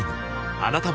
あなたも